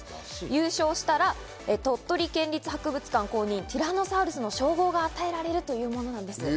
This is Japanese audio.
優勝したら、鳥取県立博物館公認ティラノサウルスの称号が与えられるというものなんです。